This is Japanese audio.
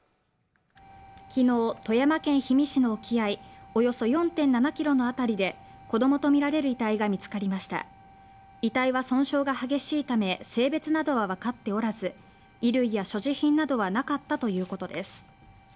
昨日富山県氷見市の沖合およそ４．７キロの辺りで子どもと見られる遺体が見つかりました遺体は損傷が激しいため性別などは分かっておらず衣類や所持品などはなかったということです